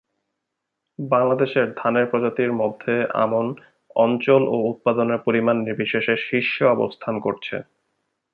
বাংলাদেশের ধানের প্রজাতির মধ্যে আমন, অঞ্চল ও উৎপাদনের পরিমাণ নির্বিশেষে শীর্ষে অবস্থান করছে।